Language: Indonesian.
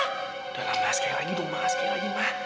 udah lama lah sekali lagi dong ma sekali lagi ma